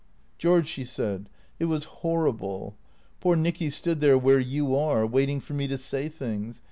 " George,'' she said, " it was horrible. Poor Nicky stood there where you are, waiting for me to say things.